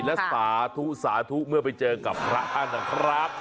และสาธุเมื่อไปเจอกับพระอาณาครับ